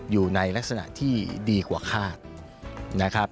อยู่ในลักษณะที่ดีกว่าฆาต